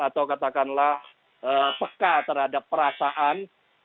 atau katakanlah peka terhadap perasaan